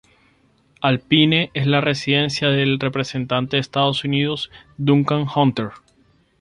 Alpine es la residencia del Representante de los Estados Unidos Duncan Hunter.